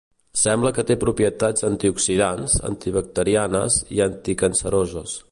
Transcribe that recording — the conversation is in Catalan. Sembla que té propietats antioxidants, antibacterianes i anticanceroses.